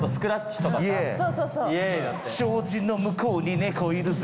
「障子の向こうに猫いるぜ」